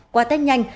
qua tết nhanh